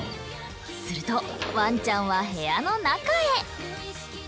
するとワンちゃんは部屋の中へ。